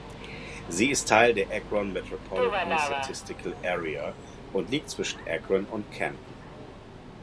Sie ist Teil der Akron Metropolitan Statistical Area und liegt zwischen Akron und Canton.